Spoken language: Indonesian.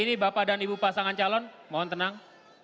ini bapak dan ibu pasangan calon mohon tenang